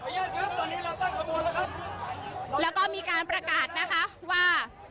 ญาติครับตอนนี้เราตั้งขบวนแล้วครับแล้วก็มีการประกาศนะคะว่า